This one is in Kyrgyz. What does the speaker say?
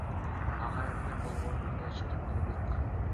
Ага эмне болгонун эч ким билбейт.